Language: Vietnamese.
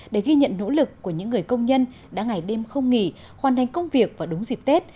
để ghi nhận nỗ lực của những người công nhân đã ngày đêm không nghỉ hoàn thành công việc vào đúng dịp tết